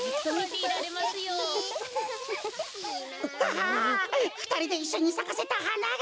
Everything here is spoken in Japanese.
ああっふたりでいっしょにさかせたはなが！